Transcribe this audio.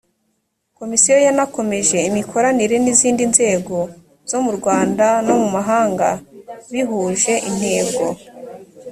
komisiyo yanakomeje imikoranire n izindi nzego zo mu rwanda no mu mahanga bihuje intego